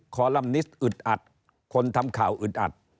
คอลัมนิสอึดอัดคนทำข่าวอึดอัด